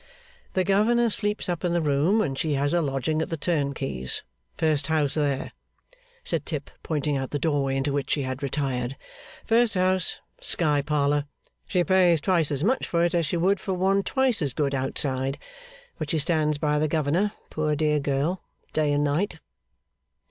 'The governor sleeps up in the room, and she has a lodging at the turnkey's. First house there,' said Tip, pointing out the doorway into which she had retired. 'First house, sky parlour. She pays twice as much for it as she would for one twice as good outside. But she stands by the governor, poor dear girl, day and night.